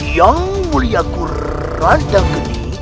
yang mulia kurandang ini